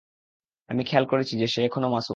আমি খেয়াল করেছি যে, সে এখনও মাসুম।